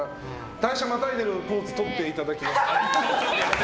単車またいでるポーズをとっていただきますか？